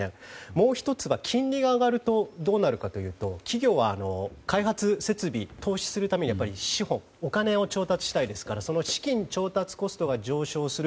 もう１つは金利が上がるとどうなるかというと企業は開発設備に投資するために資本、お金を調達したいですからその資金調達コストが上昇する。